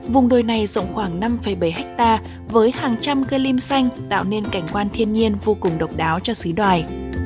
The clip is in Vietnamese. vùng đồi này rộng khoảng năm bảy hectare với hàng trăm cây lim xanh tạo nên cảnh quan thiên nhiên vô cùng độc đáo cho sứ đoài